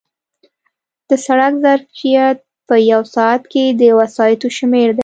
د سړک ظرفیت په یو ساعت کې د وسایطو شمېر دی